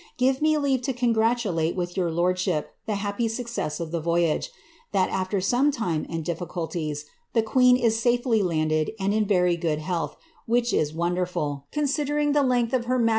Give me leave to congntnlau with your lordslii]) the lioppy eucce»9 of tlie voyage ; that. alWr tome time and dilliciiltie?, the queon is sal'cly landed au'l iti \eTy gotKl liealth, which is von derful, considering the length of her niaje.